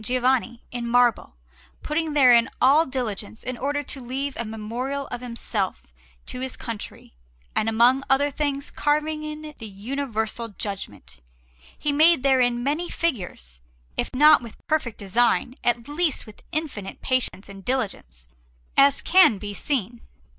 Giovanni, in marble, putting therein all diligence in order to leave a memorial of himself to his country; and among other things, carving in it the Universal Judgment, he made therein many figures, if not with perfect design, at least with infinite patience and diligence, as can be seen.